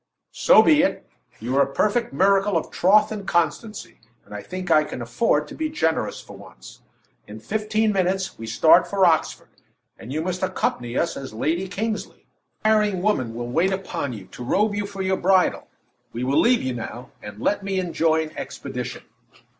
"So be it! You are a perfect miracle of troth and constancy, and I think I can afford to be generous for once. In fifteen minutes, we start for Oxford, and you must accompany us as Lady Kingsley. A tiring woman will wait upon you to robe you for your bridal. We will leave you now, and let me enjoin expedition."